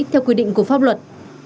theo quy định của pháp luật